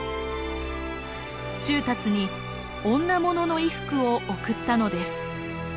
仲達に女物の衣服を贈ったのです。